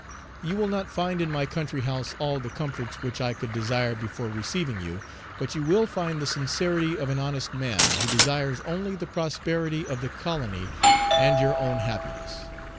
You will not find in my country house all the comforts which I could desire before receiving you, but you will find the sincerity of an honest man who desires only the prosperity of the colony and your own happiness.